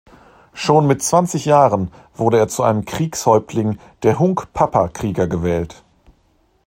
Schon mit zwanzig Jahren wurde er zu einem Kriegshäuptling der Hunkpapa-Krieger gewählt.